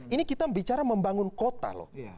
ini kita bicara membangun kota loh